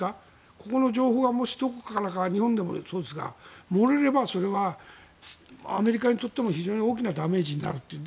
ここの情報がもしどこからか日本でもそうですが漏れればそれはアメリカにとっても非常に大きなダメージになるという。